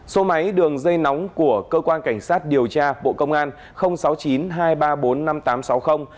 số máy đường dây nóng của cơ quan cảnh sát điều tra bộ công an sáu mươi chín hai trăm ba mươi bốn năm nghìn tám trăm sáu mươi